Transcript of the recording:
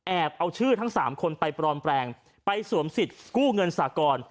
เอาชื่อทั้ง๓คนไปปลอมแปลงไปสวมสิทธิ์กู้เงินสากร